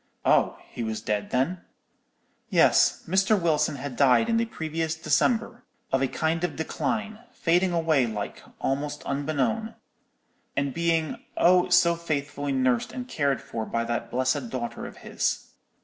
"'Oh, he was dead, then?' "'Yes, Mr. Wilson had died in the previous December, of a kind of decline, fading away like, almost unbeknown; and being, oh, so faithfully nursed and cared for by that blessed daughter of his.